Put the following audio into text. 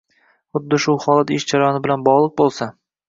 Huddi shu holat ish jarayoni bilan bog‘liq bo‘lsa